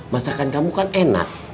masakan kamu kan enak